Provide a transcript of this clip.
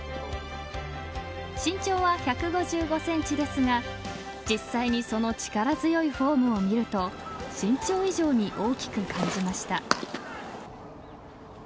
身長は１５５ｃｍですが実際にその力強いフォームを見ると身長以上に大きく感じました。